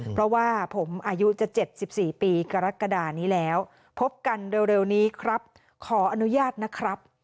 เพราะว่าผมอายุจะ๗๔ปีกรกฎานี้แล้วพบกันเร็วนี้ครับขออนุญาตนะครับ